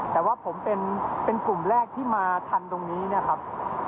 แต่ว่าผมเป็นกลุ่มแรกที่มาทันตรงนี้นะครับ